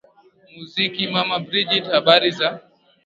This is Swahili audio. muziki mama bridgit habari za